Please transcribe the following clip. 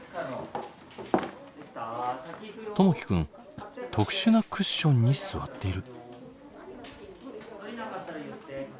友輝君特殊なクッションに座っている。